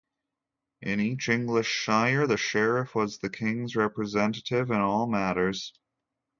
In each English shire, the sheriff was the king's representative in all matters.